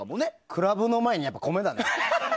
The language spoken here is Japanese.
クラブの前に、やっぱ米だね。